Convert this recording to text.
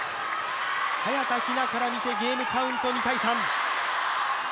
早田ひなからみてゲームカウント２−３。